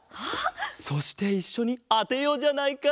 そしていっしょにあてようじゃないか。